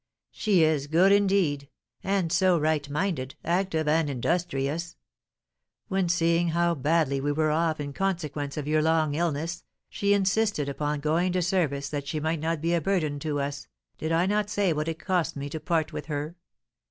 "She is good, indeed; and so right minded, active, and industrious! When, seeing how badly we were off in consequence of your long illness, she insisted upon going to service that she might not be a burthen to us, did I not say what it cost me to part with her?